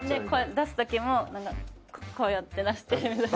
出す時もこうやって出してみたいな。